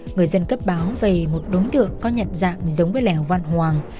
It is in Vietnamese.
người dân cấp báo về một đối tượng có nhận dạng giống với lèo văn hoàng